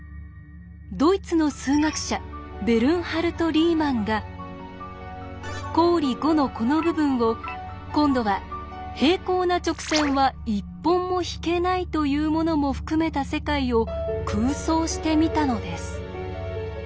ドイツの数学者ベルンハルト・リーマンが公理５のこの部分を今度は「平行な直線は１本も引けない」というものも含めた世界を空想してみたのです。